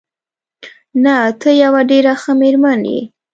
نه، ته یوه ډېره ښه مېرمن یې.